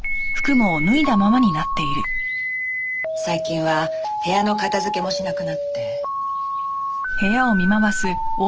最近は部屋の片づけもしなくなって。